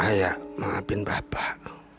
ayah maafin bapak